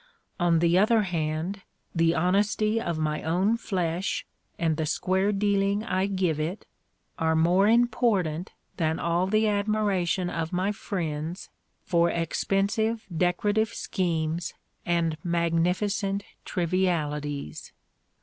On the other hand, the honesty of my own flesh, and the square dealing I give it, are more important than all the admiration of my friends for expensive decorative schemes and magnificent trivialities.